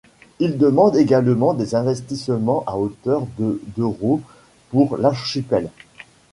Il demande également des investissements à hauteur de d'euros pour l'archipel.